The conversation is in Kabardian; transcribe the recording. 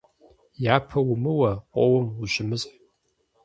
Япэ умыуэ, къоуэм ущымысхь.